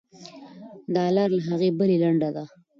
دا لار له هغې بلې لنډه ده.